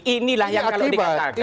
inilah yang kalau dikatakan